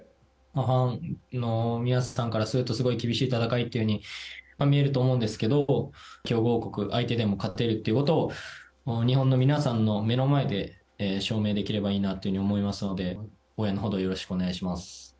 ファンの皆さんからするとすごい厳しい戦いに見えると思うんですけど強豪国相手でも勝てるということを日本の皆さんの目の前で証明できればいいなと思いますので応援のほどよろしくお願いします。